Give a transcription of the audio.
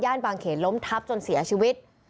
บางเขนล้มทับจนเสียชีวิต